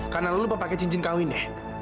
karena lu lupa pakai cincin kawin ya